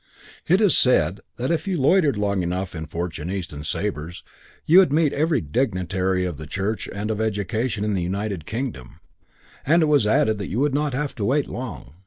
It is said that if you loitered long enough in Fortune, East and Sabre's you would meet every dignitary of the Church and of education in the United Kingdom; and it was added that you would not have to wait long.